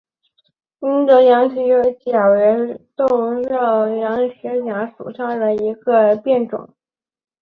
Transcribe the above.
英德羊蹄甲为豆科羊蹄甲属下的一个变种。